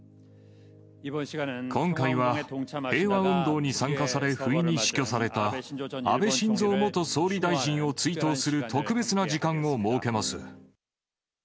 今回は平和運動に参加され、不意に死去された、安倍晋三元総理大臣を追悼する特別な時間を設けます。